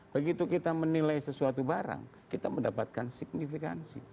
begitu kita menilai sesuatu barang kita mendapatkan signifikansi